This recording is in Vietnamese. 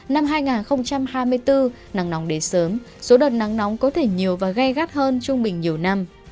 năm hai nghìn hai mươi bốn nắng nóng đến sớm số đợt nắng nóng có thể nhiều và gai gắt hơn trung bình nhiều năm